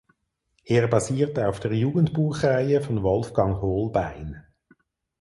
Er basiert auf der Jugendbuchreihe von Wolfgang Hohlbein.